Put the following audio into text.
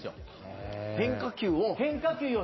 変化球を？